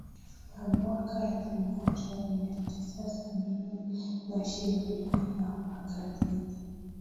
ya mwaka elfu moja mia tisa sabini na Sheria ya Magazeti